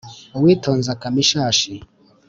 Uwitonze akama ishashi.